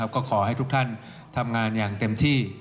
ก็ขอให้ทุกท่านทำงานอย่างเต็มที่